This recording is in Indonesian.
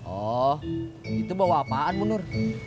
oh itu bawa apaan bunur